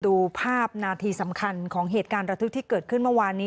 ดูภาพนาทีสำคัญของเหตุการณ์ระทึกที่เกิดขึ้นเมื่อวานนี้